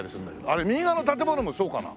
あれ右側の建物もそうかな？